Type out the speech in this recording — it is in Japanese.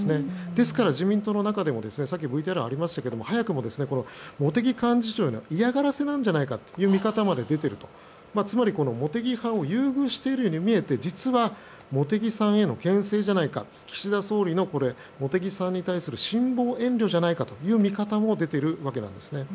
ですから、自民党の中でもさっきのＶＴＲにもありましたが早くも茂木幹事長への嫌がらせじゃないかという見方も出ているということで茂木派を優遇しているように見えて実は茂木さんへの牽制じゃないか岸田総理の茂木さんへの信望援助じゃないかという見方も出ているんです。